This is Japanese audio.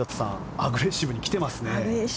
アグレッシブに来てますよ。